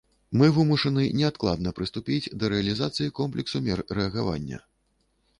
Мы вымушаны неадкладна прыступіць да рэалізацыі комплексу мер рэагавання.